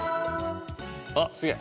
あっすげぇ。